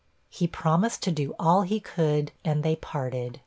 He promised to do all he could, and they parted.